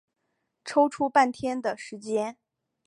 抽出半天的时间